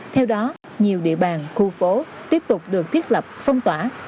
theo đó nhiều địa bàn khu phố tiếp tục được thiết lập phong tỏa